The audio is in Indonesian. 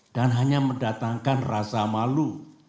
dan hanya mendatangkan rasa malu